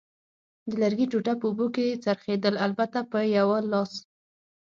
د لرګي ټوټه په اوبو کې څرخېدل، البته په یوه لاس.